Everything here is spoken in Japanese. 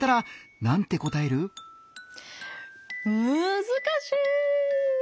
むずかしい！